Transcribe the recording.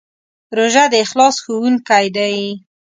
روژه د اخلاص ښوونکی دی.